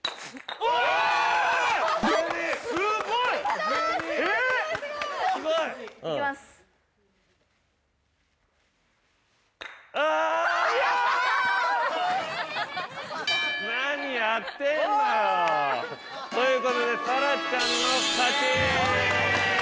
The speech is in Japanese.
あ惜しい何やってんのよということで紗来ちゃんの勝ち！